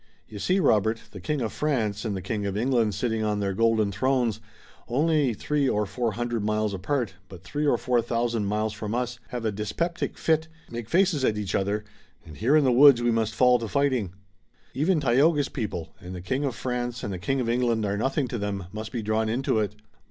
You see, Robert, the King of France and the King of England sitting on their golden thrones, only three or four hundred miles apart, but three or four thousand miles from us, have a dyspeptic fit, make faces at each other, and here in the woods we must fall to fighting. Even Tayoga's people and the King of France and the King of England are nothing to them must be drawn into it."